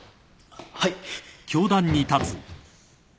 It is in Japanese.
はい。